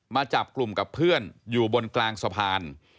มาจับกลุ่มกับเพื่อนอยู่บนกลางสะพาน